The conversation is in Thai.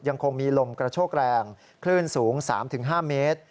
ยังคงมีลมกระโชกแรงคลื่นสูง๓๕เมตร